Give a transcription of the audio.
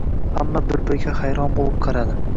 Hamma bir-biriga hayron boʻlib qaradi